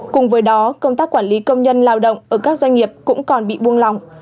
cùng với đó công tác quản lý công nhân lao động ở các doanh nghiệp cũng còn bị buông lỏng